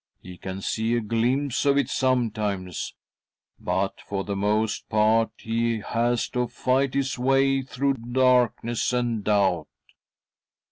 He can see a glimpse of it sometimes, but, for the most part, he has to fight his way through darkness and doubt.